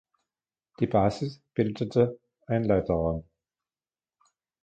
Die Basis bildete ein Leiterrahmen.